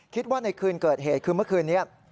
ในคืนเกิดเหตุคือเมื่อคืนนี้